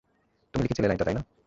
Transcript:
তুমি লিখেছিলে এই লাইনটা, তাই না?